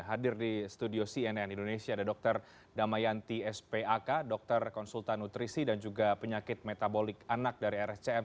hadir di studio cnn indonesia ada dr damayanti spak dokter konsultan nutrisi dan juga penyakit metabolik anak dari rscm